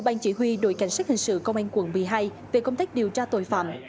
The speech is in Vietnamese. bang chỉ huy đội cảnh sát hình sự công an quận một mươi hai về công tác điều tra tội phạm